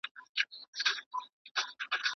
که تاسي بېدېدلاست نو ما به ږغ نه کوی.